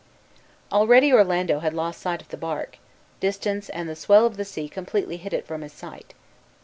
Already Orlando had lost sight of the bark; distance and the swell of the sea completely hid it from his sight.